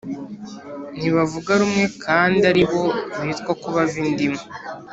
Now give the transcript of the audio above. Ntibavuga rumwe kandi ari bo bitwa ko bava inda imwe